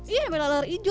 iya ada lara hijau